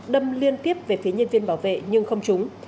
đâm liên tiếp về phía nhân viên bảo vệ nhưng không trúng